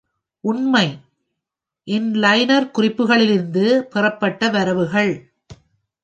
"உண்மை" இன் லைனர் குறிப்புகளிலிருந்து பெறப்பட்ட வரவுகள்.